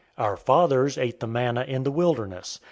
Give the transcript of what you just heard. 006:031 Our fathers ate the manna in the wilderness.